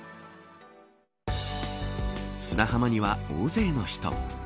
砂浜には大勢の人。